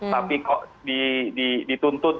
tapi kok dituntut